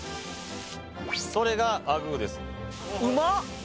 それがあぐーです